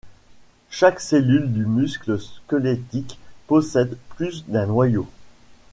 Chaque cellule du muscle squelettique possède plus d'un noyau.